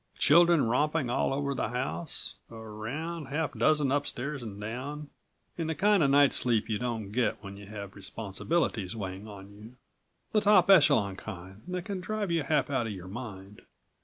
children romping all over the house a round half dozen upstairs and down and the kind of night's sleep you don't get when you have responsibilities weighing on you. The top echelon kind that can drive you half out of your mind.